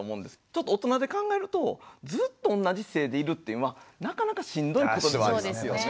ちょっと大人で考えるとずっと同じ姿勢でいるっていうのはなかなかしんどいことではありますよね。